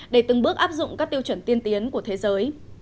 để từng bước áp dụng các tiêu chuẩn tiên tiến của thế giới